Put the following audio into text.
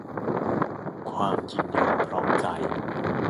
ความยินยอมพร้อมใจ